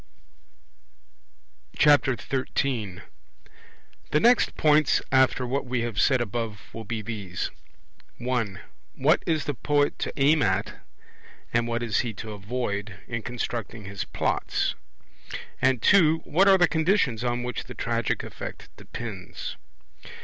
13 The next points after what we have said above will be these: (1) What is the poet to aim at, and what is he to avoid, in constructing his Plots? and (2) What are the conditions on which the tragic effect depends?